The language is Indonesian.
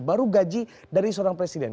baru gaji dari seorang presiden